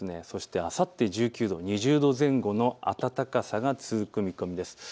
そしてあさって１９度、２０度前後の暖かさが続く見込みです。